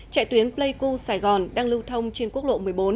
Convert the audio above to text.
chạy tuyến pleiku sài gòn đang lưu thông trên quốc lộ một mươi bốn